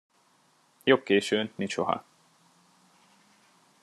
Jobb későn, mint soha.